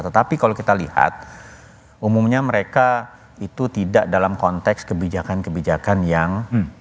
tetapi kalau kita lihat umumnya mereka itu tidak dalam konteks kebijakan kebijakan yang